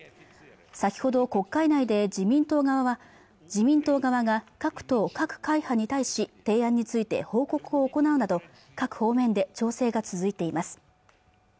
先ほど国会内で自民党側が各党各会派に対し提案について報告を行うなど各方面で調整が続いています